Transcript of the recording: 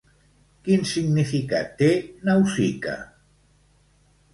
Quin significat té "Nausica"?